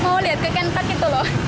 apa mau lihat ke ken park itu loh